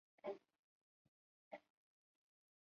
苏吉马努鲁机场位于拉瓦若东部。